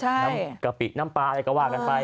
น้ำกะปิน้ำปลาอะไรก็ว่ากันไป